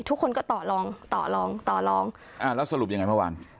ทุกคนก็ต่อลองต่อลองต่อลองอ่าแล้วสรุปยังไงเมื่อวาน